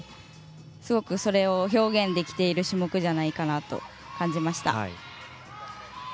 すごくそれを表現できている種目じゃないかなと感じました。